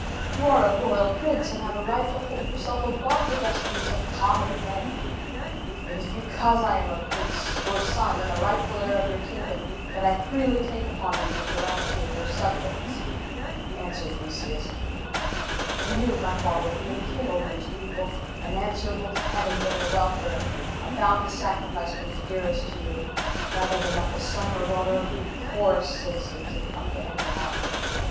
You are a royal prince, and have a right to hold yourself above the destinies of common men." "It is because I am a prince, your son, and the rightful heir of your kingdom, that I freely take upon me the calamity of your subjects," answered Theseus, "And you, my father, being king over these people, and answerable to Heaven for their welfare, are bound to sacrifice what is dearest to you, rather than that the son or daughter of the poorest citizen should come to any harm."